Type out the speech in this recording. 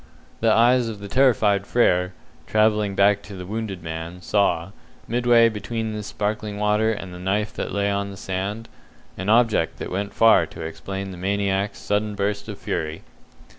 The eyes of the terrified Frere, travelling back to the wounded man, saw, midway between this sparkling water and the knife that lay on the sand, an object that went far to explain the maniac's sudden burst of fury.